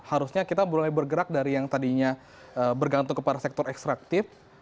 harusnya kita mulai bergerak dari yang tadinya bergantung kepada sektor ekstraktif